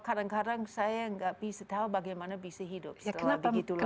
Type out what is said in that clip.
kadang kadang saya nggak bisa tahu bagaimana bisa hidup setelah begitu lama